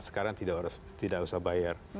sekarang tidak usah bayar